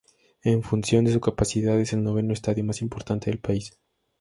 En función de su capacidad, es el noveno estadio más importante del país.